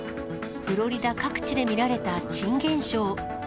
フロリダ各地で見られた珍現象。